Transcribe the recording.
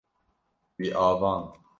Wî avand.